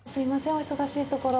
お忙しいところ。